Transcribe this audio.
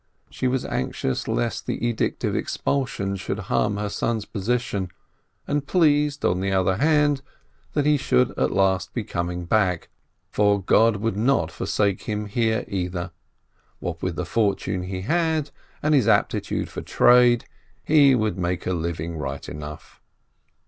She was anxious lest the edict of expulsion should harm her son's position, and pleased, on the other hand, that he should at last be coming back, for God would not forsake him here, either; what with the fortune he had, and his aptitude for trade, he would make a living right enough.